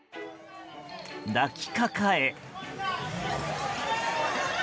抱きかかえ。